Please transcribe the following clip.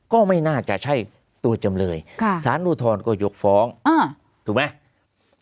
ก็ไม่น่าจะใช่ตัวจำเลยสารอุทธรณ์ก็ยกฟ้องถูกไหม